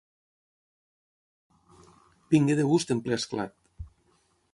Vingué de gust en ple esclat.